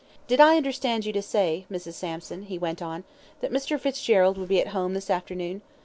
"Did I understand you to say, Mrs. Sampson," he went on, "that Mr. Fitzgerald would be at home this afternoon?"